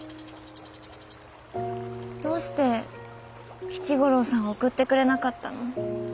どうして吉五郎さん送ってくれなかったの？